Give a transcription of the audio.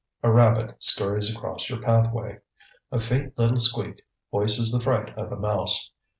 A rabbit scurries across your pathway. A faint little squeak voices the fright of a mouse.